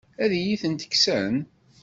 Ad iyi-tent-kksen?